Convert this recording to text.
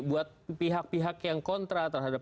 buat pihak pihak yang kontra terhadap